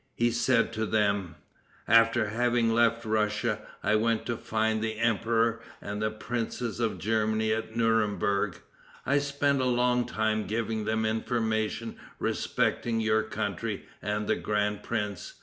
He said to them: "After having left Russia, I went to find the emperor and the princes of Germany at Nuremburg. I spent a long time giving them information respecting your country and the grand prince.